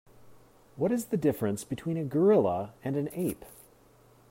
What is the difference between a gorilla and an ape?